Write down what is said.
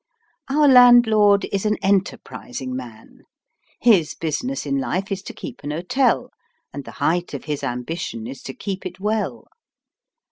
Our landlord is an enterprising man. His business in life is to keep an hotel, and the height of his ambition is to keep it well.